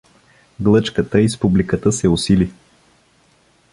Глъчката из публиката се усили.